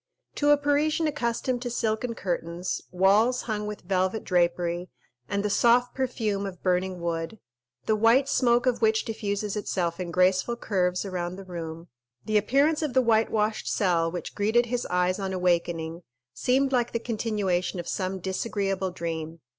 To a Parisian accustomed to silken curtains, walls hung with velvet drapery, and the soft perfume of burning wood, the white smoke of which diffuses itself in graceful curves around the room, the appearance of the whitewashed cell which greeted his eyes on awakening seemed like the continuation of some disagreeable dream.